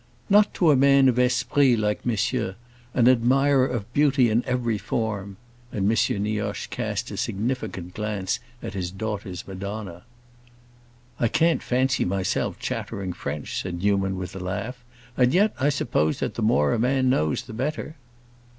"Not to a man of esprit, like monsieur, an admirer of beauty in every form!" and M. Nioche cast a significant glance at his daughter's Madonna. "I can't fancy myself chattering French!" said Newman with a laugh. "And yet, I suppose that the more a man knows the better."